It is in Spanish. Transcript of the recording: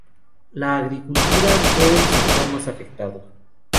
La agricultura fue el sector más afectado.